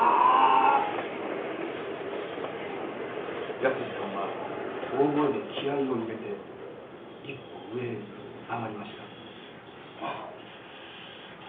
泰史さんは大声で気合いを入れて一歩上へ上がりました。